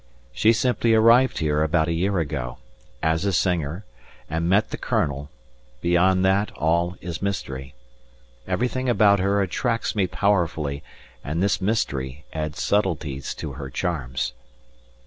She simply arrived here about a year ago as a singer, and met the Colonel beyond that, all is mystery. Everything about her attracts me powerfully, and this mystery adds subtleties to her charms.